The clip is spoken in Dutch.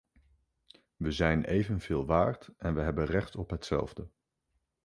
We zijn evenveel waard en we hebben recht op hetzelfde.